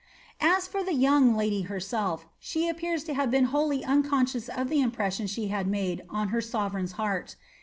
As for the young lady herself, she appears to have been wholly un conscious of the impression she had made on her sovereign's heart.